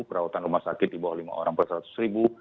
perawatan rumah sakit di bawah lima orang per seratus ribu